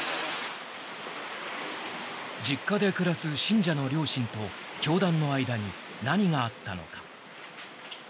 実家で暮らす信者の両親と教団の間に何があったのか。